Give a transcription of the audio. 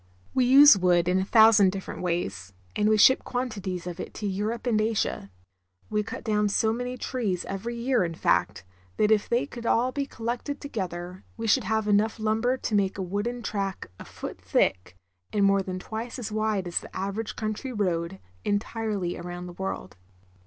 We use wood in a thousand different ways, and we ship quantities of it to Europe and Asia. We cut down so many trees every year, in fact, that if they could all be collected together we should have enough lumber to make a wooden track a foot thick, and more than twice as wide as the average country road, entirely round the world.